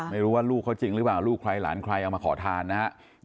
ไม่รู้ว่าลูกเขาจริงหรือเปล่าลูกใครหลานใครเอามาขอทานนะครับ